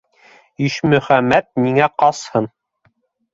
Ишмөхәмәт ниңә ҡасһын?